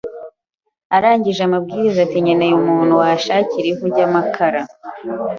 arangije arambwira ati nkeneye umuntu wanshakira ivu ry’amakara